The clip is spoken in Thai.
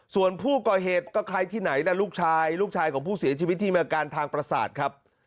ส่วนผู้ก่อเหตุก็ใครที่ไหนล่ะลูกชายลูกชายของผู้เสียชีวิตที่มีอาการทางประสาทครับ